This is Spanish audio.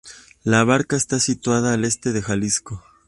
La Barca está situado al este de Jalisco.